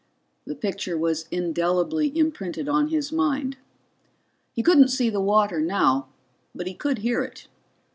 The picture was indelibly imprinted on his mind. He couldn't see the water now, but he could hear it.